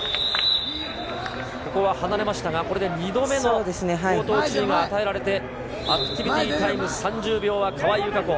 ここは離れましたが、これで２度目の口頭注意が与えられて、アクティビティータイム３０秒は川井友香子。